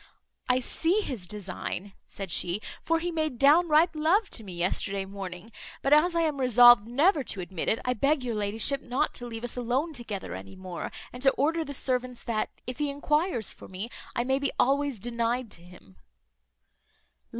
"I see his design," said she; "for he made downright love to me yesterday morning; but as I am resolved never to admit it, I beg your ladyship not to leave us alone together any more, and to order the servants that, if he enquires for me, I may be always denied to him."